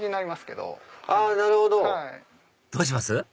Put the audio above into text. どうします？